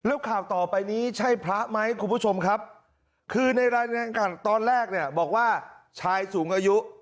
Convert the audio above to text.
แล้วข่าวต่อไปนี้ใช่พระไหมคุณผู้ชมครับคือในรายงานตอนแรกเนี่ยบอกว่าชายสูงอายุ